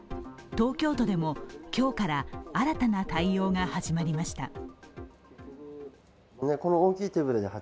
東京都でも今日から新たな対応がはじまりました。